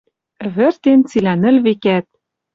Ӹвӹртен, цилӓ нӹл векӓт.